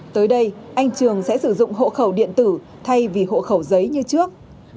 tới đây anh trường sẽ sử dụng hộ khẩu điện tử thay vì hộ khẩu giấy như trước